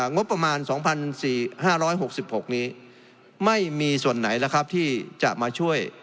งบประมาณสองพันสี่ห้าร้อยหกสิบหกนี้ไม่มีส่วนไหนนะครับที่จะมาช่วย